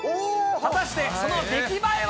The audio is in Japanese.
果たしてその出来栄えは？